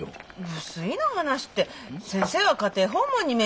不粋な話って先生は家庭訪問に見えたんでしょ？